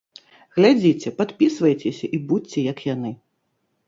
Глядзіце, падпісвайцеся і будзьце як яны!